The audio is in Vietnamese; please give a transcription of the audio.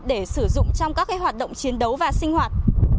để sử dụng trong các hoạt động chiến đấu và sinh hoạt